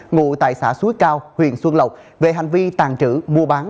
ngụ tại xã suối cao huyện xuân lộc về hành vi tàn trữ mua bán